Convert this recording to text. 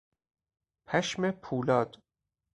پشم پولاد